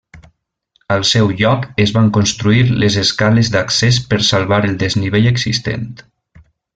Al seu lloc es van construir les escales d'accés per salvar el desnivell existent.